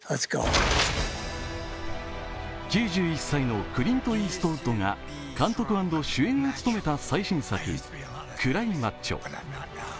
９１歳のクリント・イーストウッドが、監督＆主演を務めた最新作「クライ・マッチョ」。